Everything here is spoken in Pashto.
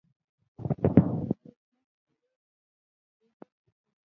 بوډۍ د زړه حملې له امله بېهوشه شوه.